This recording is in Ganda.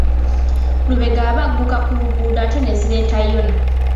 Lubega aba agguka ku luguudo ate ne zireeta Yona.